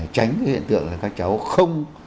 tránh cái hiện tượng là các cháu không